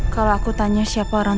kalau aku tanya siapa orang